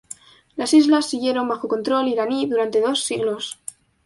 Las islas siguieron bajo control iraní durante dos siglos.